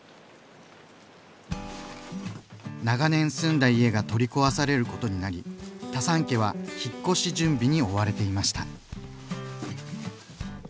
長年住んだ家が取り壊されることになりタサン家は引っ越し準備に追われていました。